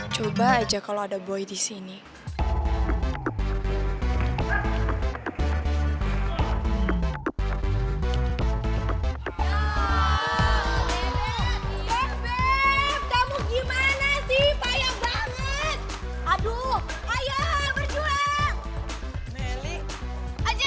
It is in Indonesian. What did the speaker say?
coba aja kalo ada berapa yang kalah